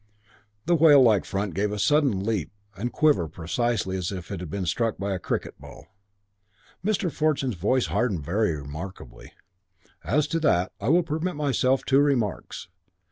The whale like front gave a sudden leap and quiver precisely as if it had been struck by a cricket ball. Mr. Fortune's voice hardened very remarkably. "As to that, I will permit myself two remarks.